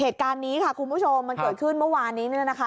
เหตุการณ์นี้ค่ะคุณผู้ชมมันเกิดขึ้นเมื่อวานนี้เนี่ยนะคะ